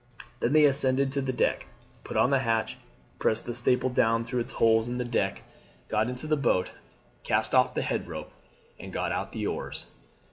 Then they ascended to the deck, put on the hatch, pressed the staple down through its holes in the deck, got into the boat, cast off the head rope, and got out the oars.